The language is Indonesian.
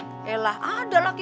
dok jadi gimana keadaan bapak saya